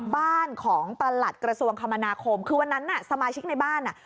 บ้านของประหลัดกระทรวงคมนาคมคือวันนั้นน่ะสมาชิกในบ้านอ่ะ